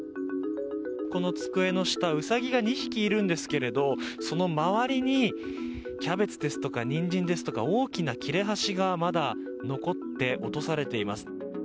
この机の下ウサギが２匹いるんですけどもその周りにキャベツですとかニンジンですとか大きな切れ端がまだ残って落とされています。